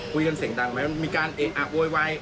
คุยกันเสียงดังไหมมีการโวยวาย